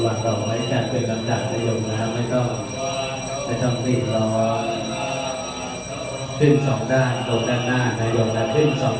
วันยากวันยากวันยากวันยากวันยากวันยากวันยากวันยากวันยากวันยากวันยากวันยากวันยากวันยากวันยากวันยากวันยาก